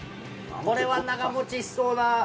これは長もちしそうな。